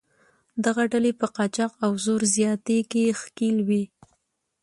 دغه ډلې په قاچاق او زور زیاتي کې ښکېل وې.